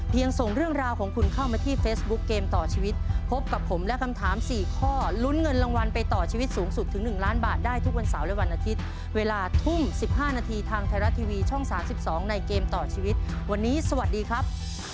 ส่งเรื่องราวของคุณเข้ามาที่เฟซบุ๊คเกมต่อชีวิตพบกับผมและคำถาม๔ข้อลุ้นเงินรางวัลไปต่อชีวิตสูงสุดถึง๑ล้านบาทได้ทุกวันเสาร์และวันอาทิตย์เวลาทุ่ม๑๕นาทีทางไทยรัฐทีวีช่อง๓๒ในเกมต่อชีวิตวันนี้สวัสดีครับ